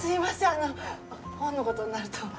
あの本の事になると。